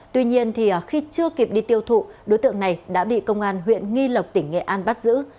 tuy nhiên khi chưa kịp đi tiêu thụ đối tượng này đã bị công an huyện nghi lộc tỉnh nghệ an bắt giữ